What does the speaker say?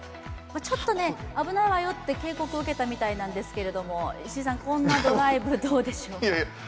ちょっと危ないわよって警告を受けたみたいですけど、石井さん、こんなドライブどうでしょう？